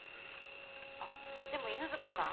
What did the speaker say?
あっでも犬塚さん